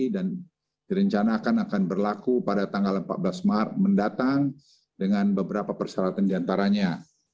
dan direncanakan akan berlaku pada tanggal empat belas maret mendatang dengan beberapa persyaratan diantaranya